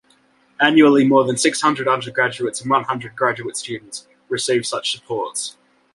Annually more than six hundred undergraduates and one hundred graduate students receive such supports.